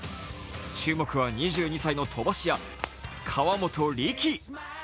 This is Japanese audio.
注目は２２歳の飛ばし屋河本力。